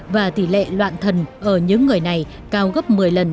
và tỷ lệ loạn thần ở những người này cao gấp một mươi lần